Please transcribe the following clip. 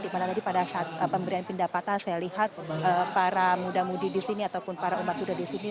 dimana tadi pada saat pemberian pendapatan saya lihat para muda mudi di sini ataupun para umat buddha di sini